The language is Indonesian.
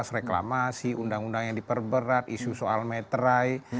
kasus reklamasi undang undang yang diperberat isu soal meterai